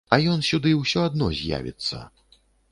А ён сюды ўсё адно з'явіцца.